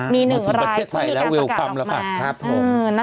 มีหนึ่งรายที่มีการประกาศออกมา